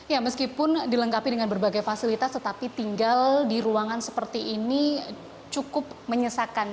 ya meskipun dilengkapi dengan berbagai fasilitas tetapi tinggal di ruangan seperti ini cukup menyesakan